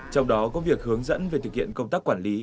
trong đó có việc hướng dẫn về thực hiện công tác quản lý